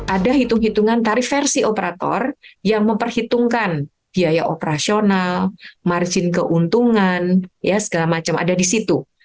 ada hitung hitungan tarif versi operator yang memperhitungkan biaya operasional margin keuntungan ya segala macam ada di situ